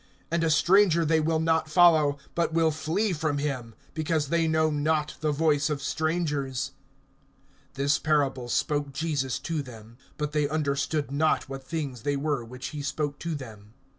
(5)And a stranger they will not follow, but will flee from him; because they know not the voice of strangers. (6)This parable spoke Jesus to them; but they understood not what things they were which he spoke to them.